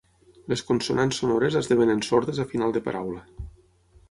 Les consonants sonores esdevenen sordes a final de paraula.